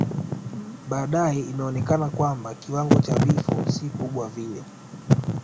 Baadae imeonekana kwamba kiwango cha vifo si kubwa vile